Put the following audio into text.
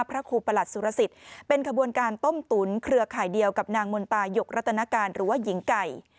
พระครูประหลัดสุรสิทธิ์เป็นขบวนการต้มตุ๋นเครือข่ายเดียวกับนางมนตายกรัตนการหรือว่าหญิงไก่